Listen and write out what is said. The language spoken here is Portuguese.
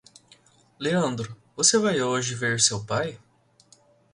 Leandro, você vai hoje ver seu pai?